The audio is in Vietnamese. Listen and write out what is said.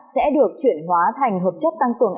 sẽ được chuyển hóa thành hợp chất tăng cường